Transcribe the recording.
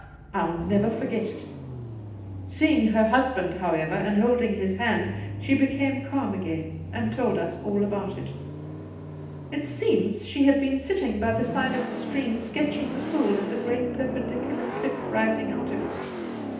I'U never forget it ! Seeing her husband, however, and The Pool 175 holding his hand, she became calm again, and told us all about it, 'It seems she had been sitting by the side of the stream sketching the pool and the great per pendicular cliff rising out of it.